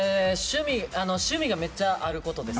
趣味がめっちゃあることです。